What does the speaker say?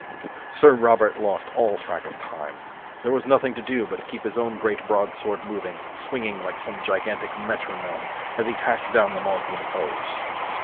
Sir Robert lost all track of time. There was nothing to do but keep his own great broadsword moving, swinging like some gigantic metronome as he hacked down the Moslem foes.